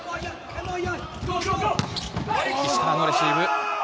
石川のレシーブ。